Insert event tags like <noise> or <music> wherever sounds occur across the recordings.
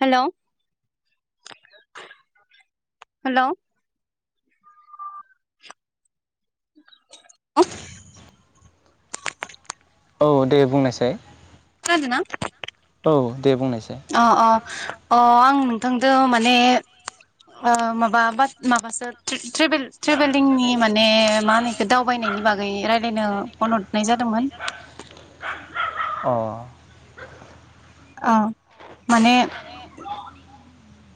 Hello hello <inaudible> औ दे बुंनायसाय खोनादोना? औ दे बुंनायसाय अ आं नोंथांजों माने आ माबा बाद माबासो थ्रेबेल-थ्रेबेलिंनि माने मा होनो एखौ दावबायनायनि बागै रायलायनो फन हदनाय जादोंमोन अ औ माने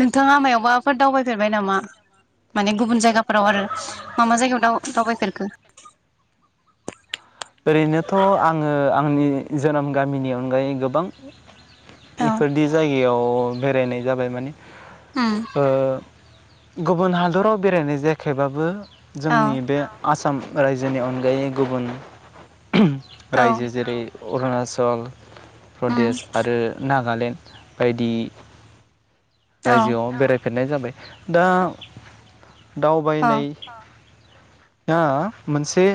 नोंथाङा मायावबाफोर दावबायफेरबाय नामा माने गुबुन जायगाफोराव आरो मा मा जायगायाव दाव-दावबायफेरखो? ओरैनोथ आङो आंनि जोनोम गामिनि अनगायै गोबां इफोरदि जाय बेआव बेरायनाय जाबाय माने ओ गुबुन हादराव बेरायनाय जायाखैबाबो जोंनि बे आसाम साम रायजोनि अनगायै गुबुन रायजो जेरै अरुणा चल प्रदेश आरो नाग गालेण्ड बायदि रायजोआव बेराय। फेरनाय जाबाय दा दावबायनाय दा मोनसे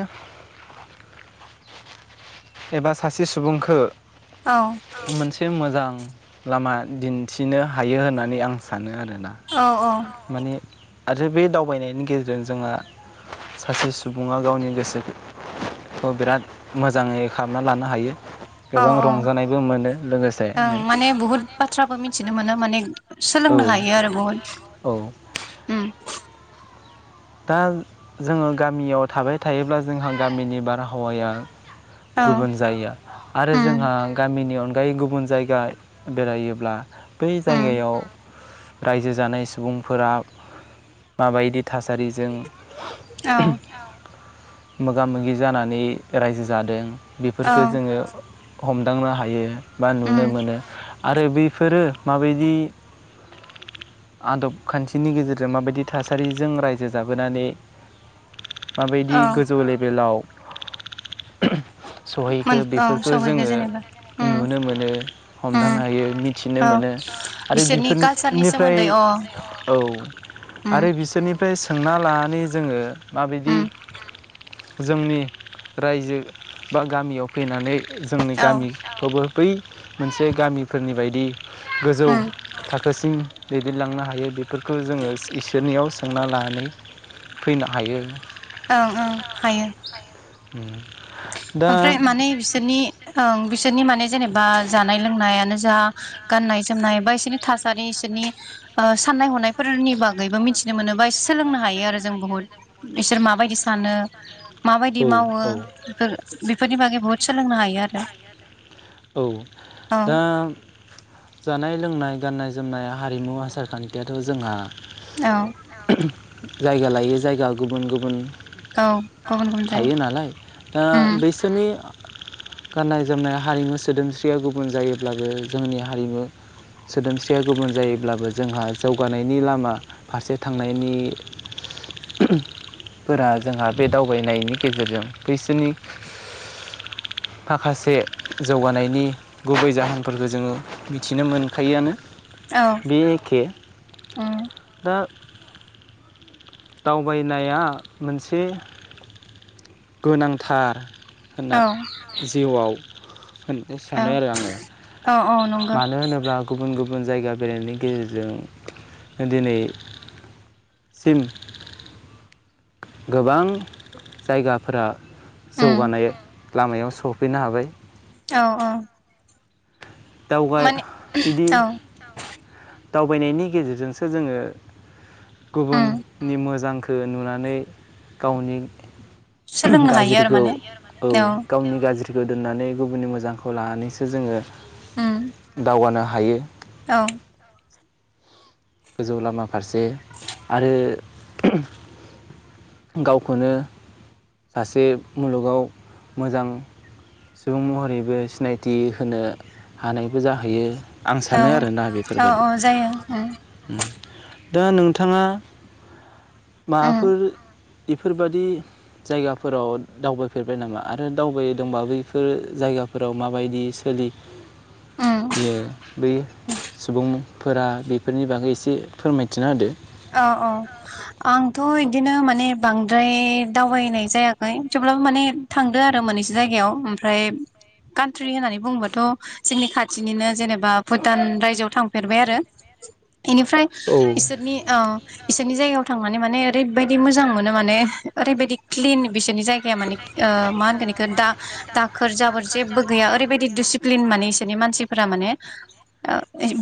एबा सासे सुबुंखो औ मोनसे मोजां लामा दिन्थिनो हायो होननानै आं सानो आरो दा औ औ माने आरो बे दावबायनायनि गेजेरजों जोंहा सासे सुबुङा गावनि गोसोखो बिराद मोजाङै खालामना लानो हायो। औ औ ओं माने बुहुद बाथ्राबो मिथिनो मोनो। मानेख सोलोंनो हायो आरो बहुद। औ। उम। दा जोङो गामियाव थाबाय थायोब्ला जोंहा गामिनि बारहावाया। गुबुन जायो आरो जोंहा गामिनि अन गाय गुबुन जायगा बेरायोब्ला बै जायगायाव। रायजो जानाय सुबुंफोरा माबायदि थास सारिजों औ। मोगा मोगि जानानै रायजो जादों। बेफोरखौो जोङो । हमदांनो हायो। बा नुनो मोनो। आरो बैफोरो माबायदि आदब खान्थिनि गेजेरजों माबायदि थासारिजों राय जो जाबोनानै। माबायदि गोजौ लेभेलाव। <inaudible> सहैखो बेफोरखौ जोङो नुनो मोनो हमदांनो हायो मिथिनो मोनो आरो बेफोरनिफ्राय औ आरो बिसोरनि बे सोंना लानानै जोङो। माबेदि जोंनि रायजो बा गामियाव फैनानै जोंनि गामि खौबो। बै मोनसे गामिफोरनि बायदि गोजौ थाखोसिम दैदेनलांनो हायो बेफोरखौ जोङो इसोरनियाव संना लानानै फैनो हायो। ओं ओं हायो। उम ओमफ्राय माने बिसोरनि ओं बिसोरनि माने जेनेबा जानाय लोंनायानो जा गाननाय जोमनाय बा इसोरनि थासारि इसोरनि ओ साननाय हनायफोरनि बागैबो मिथिनो मोनोबा सोलोंनो हायो आरो जों बुहुत बिसोर माबायदि सानो माबायदि मावो बिफोरनि बागै बहुद सोलोंनो हायो आरो औ दा जानाय लोंनाय गाननाय जोमनाय हारिमु आसार खान्थियाथ' जोंहा औ जायगा लायै जायगा गुबुन गुबुन थायो नालाय दा बैसोरनि गाननाय जोमनाय हारिमु सोदोमस्रिया गुबुन जायोब्लाबो जोंनि हारिमु सोदोमस्रिया गुबुन जायोब्लाबो जोंहा जौगानायनि लामा फारसे थांनायनि फोरा जोंहा बे दावबायनायनि गेजेरजों बैसोनि माखासे जौगानायनि गुबै जाहोनफोरखौ जोङो मिथिनो मोनखायोआनो । बियो एखे दा दावबायनाया मोनसे गोनांथार होनना जिउआव होनना सानो आरो आङो । मानो होनोब्ला गुबुन गुबुन गुबुन जायगा बेरायनायनि गेजेरजों दिनै सिम गोबां जायगाफोरा जौगानाय लामायाव सफैनो हाबाय औ औ दावगा बिदि दावबायनायनि गेजेरजोंसो जोङो गुबुननि मोजां खौ नुनानै गावनि गाज्रिखौ औ गावनि गाज्रि खौ दोननानै गुबुननि मोजांखौ लानानैसो जोङो दावगानो हायो । औ गोजौ लामाखौ फारसे आरो गावखौनो सासे मुलुगाव मोजां सुबुं महरैबो सिनायथि होनो हानायबो जाहैयो । औ औ औ जायो ओम ओम दा नोंथाङा माबाफोर बेफोरबायादि जायगाफोराव दावबायफेरबाय नामा आरो दावबाय दोंबा बेफोर जायगाफोराव माबायदि सोलि यो बै सुबुंनि फोरा बे बेफोरनि बागै एसे फोरमायथिना होदो । औ औ आंथ' इदिनो माने बांद्राय दावबायनाय जायाखै थेवब्लाबो माने थांदो आरो मोननैसो जायगायाव ओमफ्राय कान्ट्रि होननानै बुंङोबाथ' जोंनि खाथिनिनो जेनेबा भुटान रायजोआव थांफेरबाय आरो । बेनिफ्राय इसोरनि औ बिसोरनि जायगायाव थांनानै माने ओरैबायदि मोजां मोनो माने ओरैबायदि क्लिन बिसोरनि जायगाया मानि मा होनगोनखौ दा दाखोर जाबोर जेबो गैया ओरैबायदि डिसिप्लिन माने बिसोरनि मानसिफोरा माने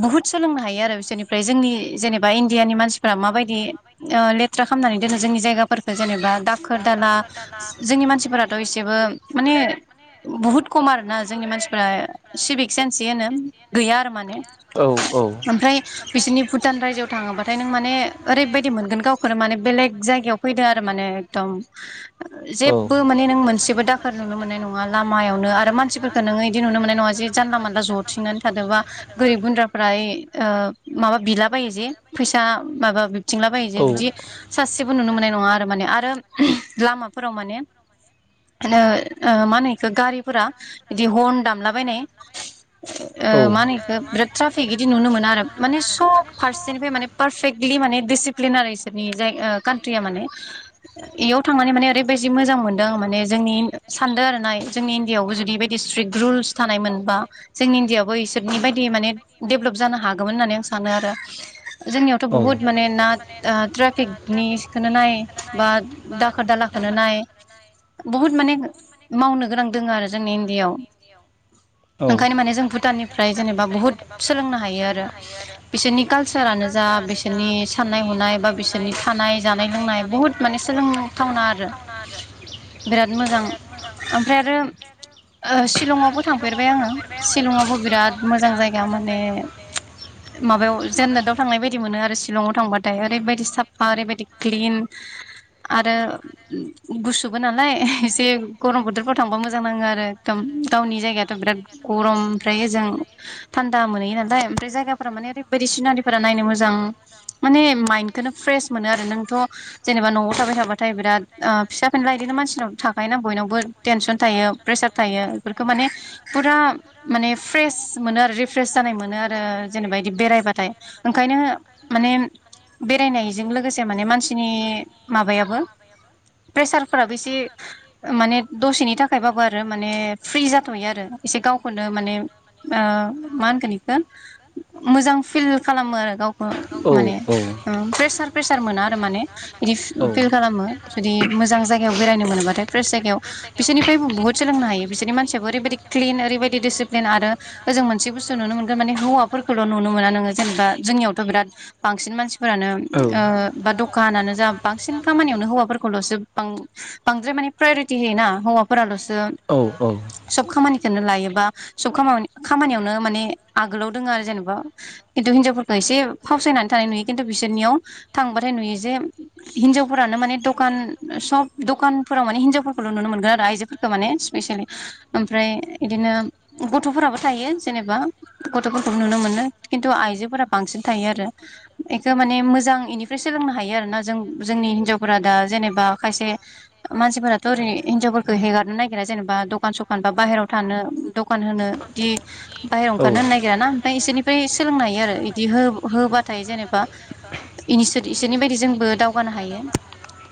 बुहुत सोलोंनो हायो आरो बिसोरनिफ्राय जोंनि जेनेबा इण्डियानि मानसि फोरा माबायदि लेथ्रा खालामनानै दोनो जोंनि जायगाफोरखौ जेनेबा दाखोर दाला जोंनि मानसिफोराथ एसेबो मान बुहुत खम आरोना जोंनि मानसिफोरा सिभिक सेनस जे होनो गैया आरो माने ओमफ्राय बिसोरनि भुटान रायजोआव थाङोबाथाय आं माने ओरैबायदि मोनगोन गावखौनो माने बेलेग जायगायाव फैद आरो माने एकदम जेबबो माने नों मोनसेबो दाखोर नुनो मोननाय नङा लामायाव। मानसिफोरखौ नोङो इदि नुनो मोननाय नङा जे जानला मोनला जथिंना थादोंबा गोरिब गुनद्राफोरा ओ माबा बिला बायो जे पैसा दा माबा बिबथिंला बायो जे बिदि सासेबो नुनो मोननाय आरो माने आरो लामाफोराव माने मा होनो इखौ गारिफोरा बिदि हर्न दामलाबायनाय मा होनो इखौ बिराद ट्राफिक इदि नुनो मोना आरो माने सफ फारसेनिफ्राय माने। दिसिफ्लेन आरो इसोरनि जायगाफोरा कान्ट्रिया माने इयाव थांनानै माने ओरैबायदि मोजां मोनदों माने जोंनि सानदों आरोना जोंनि इण्डिय आवबो जुदि बेबायदि स्ट्रिक रुल्स थानाय मोनबा जोंनि इण्डियआवबो इसोरनि बायदि माने डेभलप जानो हागौमोन होननानै आं सानो आरो जोंनियावथ बुहुत माने ना ट्राफिकनिखौ नाय बा दाखोर दालाखौ नाय बहुद माने मावनो गोनां दङ आरो जोंनि इण्डियाआव ओंखायनो माने जों भुटाननिफ्राय जेनेबा बुहुत सोलोंनो हायो आरो बिसोरनि कालसार जा बिसोरनि साननाय हनाय बा बिसोरनि थानाय जानाय लोंनाय बुहुत माने सोलोंथावना आरो बिराद मोजां ओमफ्राय आरो सिशलंआवबो थांफेरबाय सिलंआवबो बिराद मोजां जायगा माने माबायाव जेनिद थांनाय बायदि मोनो आरो सिलंआव थांबाथाय ओरैबायदि साफा ओरैबायदि क्लिन आरो गुसुबो नालाय एसे गरम बोथोरफ्राव थांबा मोजां नाङो आरो एकदम गावनि जायगायाथ बिराद गरम ओमफ्राय ओजों थान्दा मोनहैयो नालाय ओमफ्राय जायगाफोरा माने ओरैबायदि सिनारि फोर नायनो मोजां माने माइन्दन्दखौनो फ्रेस मोनो आरो नोंथ' जेनेबा नआव थाबाय थाबाथाय बिराद फिसा फेनला बिदिनो मानसिनाव थाखायोना बयनावबो टेनसन थायो प्रेसार थायो बेफोरखौ माने फुरा माने फ्रेस मोनो आरो रिफ्रेस जानाय मोनो आरो जेनेबा बिदि बेरायबाथाय ओंखायनो माने बेरायनायजों लोगोसे माने मानसिनि माबायाबो प्रेसारफोराबो एसे माने दसेनि थाखायबाबो आरो माने फ्रि जाथयो आरो एसे गावखौनो माने मा होनगोन बेखौ मोजां फिल खालामो आरो गाव माने प्रेसार प्रेसार मोना आरो माने बिदि फिल खालामो जुदि मोजां जायगायाव बेरायनो मोनबाथाय फ्रेस जायगायाव बिसोरनिफ्रायबो बहुत सोलोंनो हायो बिसोरनि मानसिबो ओरैबायदि क्लिन ओरैबायदि डिसिप्लिन आरो जों मोनसे बुस्थुनो नुनो मोनगोन माने हौवाफोरखौल नुनो मोना नोङो जेनेबा जोंनियावथ बिराद बांसिन मानसिफोरानो बा दखानानो जा बांसिन खामानियावनो हौवाफोरखौलसो बांद्राय माने प्रायरिटि होयोना हौवाफोरालसो औ औ लायोबा सब खामानि खामानियावनो माने आगोलाव दङ आरो जेनेबा खिन्थु हिन्जावफोरखौ एसे फावसायनानै थानाय नुयो खिन्थु बिसोरनियाव थांबाथाय नुयो जे हिनजावफोरानो माने दखान सब दखानफोराव माने हिनजावफोरखौल नुनो मोनगोन आरो आइजोफोरखौ माने स्पेसिलि ओमफ्राय बिदिनो गथ'फोराबो थायो जेनेबा गथफोरखौबो नुनो मोनो खिन्थु आइजोफोरा बांसिन थायो आरो बेखौ माने मोजां इनिफ्राय सोलोंनो हायो आरो ना जों जोंनि हिनजावफोरा दा जेनेबा खायसे मानसिफोराथ ओरै हिनजावफोरखौ हेगारनो नागिरा जेनेबा दखान सखान बा बाहेराव थानो दखान होनो जि बाहेरायाव ओंखार होनो नागिराना <unintelligible> फ्राय सोलोंनो हायो आरो इदि होबाथाय जेनेबा इदि इसोरनि बायदि जोंबो दावगानो हायो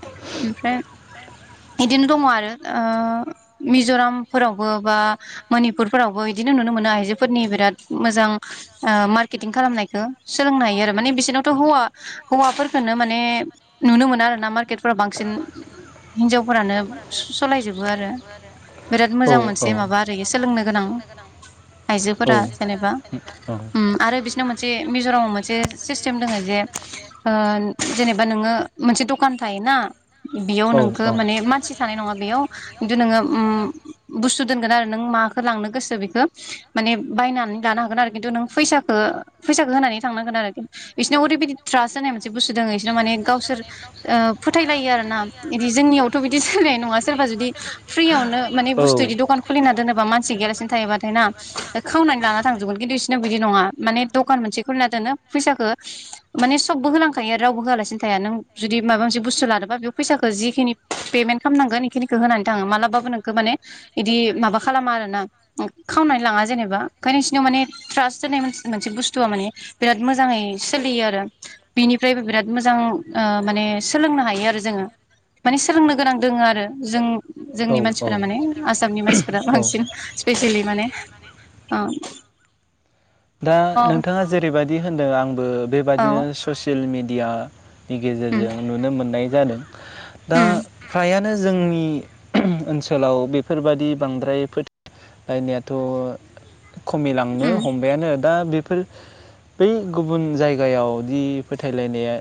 ओमफ्राय बिदिनो दङ आरो मिजरामफोरावबो बा मनिपुरफोरावबो बिदिनो नुनो मोनो आइजोफोरनि बिराद मोजां मार्केटिं खालामनायखौ सोलोंनो हायो आरो माने बिसोरनावथ हौवा हौवाफोरखौनो माने नुनो मोना आरोना मार्केटफोराव बांसिन हिनजावफोरानो सालायजोबो आरो, बिराद मोजां मोनसे माबा आरो सोलोंनो गोनां आइजोफोरा जेनेबा आरो बिसोरनाव मोनसे मिजरामाव मोनसे सिसटिम दङो जे जेनेबा नोङो मोनसे दखान थायोना बेयाव नोंखौ माने मानसि थानाय नङा बेयाव खिन्थु नोङो बस्थु दोनगोन आरो नों माखौ लांनो गोसो बेखौ माने बायनानै लानो हागोन आरो खिन्थु नों फैसाखौ फैसाखौ होनानै थांनांगोन आरो बिसोराव ओरैबायदि थ्रास होननाय मोनसे बस्थु दङ बिसोरनाव माने गावसोर फोथायलायो आरोना बिदि जोंनियावथ बिदि सोलिनाय नङा सोरबा जुदि फ्रियावनो माने बस्थु बिदि दखान खुलिना दोनोबा मानसि गैयालासे थायोब्ला ना खावनानै लाना थांजोबगोन खिन्थु बिनो बिदि नङा माने दखान मोनसे खुलिना दोनो फैसाखौ माने सबबो होोलांखायो आरो रावबो होआलासिनो थाया नों जुदि माबा मोनसे बुस्थु लादोंबा बे फैसाखौ जिखिनि पेमेन्ट खालामनांगोन बेखिनिखौ होनानै थाङो मालाबाबो नोंखौ माने बिदि माबा खालामा आर ना खावनानै लाङा जेनेबा ओंखायनो इसोरनियाव माने ट्रास्ट होननाय मोनसे बुस्थुआ माने बिराद मोजाङै सोलियो आरो बिनिफ्रायबो बिराद मोजां माने सोलोंनो हायो आरो जोङो माने सोलोंनो गोनां दोङ आरो जों जोंनि मानसिफोरा माने आसामनि मानसिफोरा बांसिन स्पेसेलि माने दा नोंथाङा जेरैबायदि होनदों आं बो बेबायदिनो ससियेल मेडिया <unintelligible> नि गेजेरजों नुनो मोननाय जादों दा फ्रायानो जोंनि ओनसोलाव बेफोरबादि बांद्राय फोथाय लायनायाथ खमिलांनो हम दा बेफोर बै गुबुन जायगायावदि फोथायलायनाया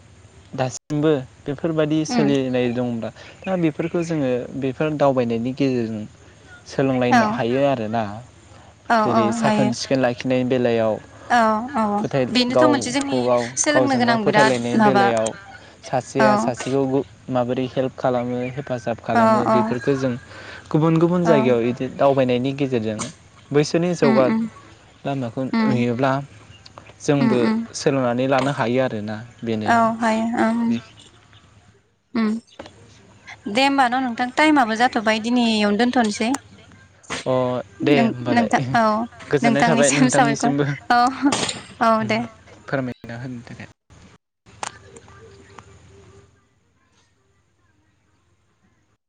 दासिमबो बेफोरबायाददि सोलिनाय दं दा दा बेफोरखौ जोङो बेफोर दावबायनायनि गेजेरजों सोलोंलायनो हायो आरोना जेरै साखोन सिखोन लाखि नै बेलायाव औ-औ बेनोथ मोनसे जोंनि सोलोंनो गोनां बिराद माबा औ माबोरै हेल्प खालामो हेफाजाब खालामो बेफोरखौ जों गुबुन गुबुन जायगायाव बिदि दाव फोरमायनायनि गेजेरजों बैसोनि जौगा लामाखौ नुयोब्ला जोंबो सोलोंनानै नानै लानो हायो आरोना औ हायो आं उम दे होमब न नोंथां टाइमाबबो जाथबाय दिनै इयावनो दोनथनोसै। अ दे होमबालाय गोजोननाय थाबाय नोंथांनिसिमबो फोरमायना होनो थाखाय।